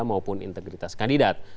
maupun integritas kandidat